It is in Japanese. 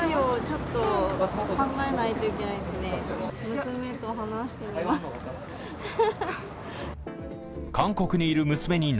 ちょっと考えないといけないですね。